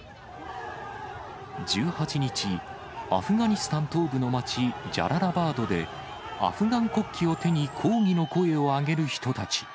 １８日、アフガニスタン東部の町、ジャララバードで、アフガン国旗を手に抗議の声を上げる人たち。